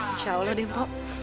insya allah deh mpok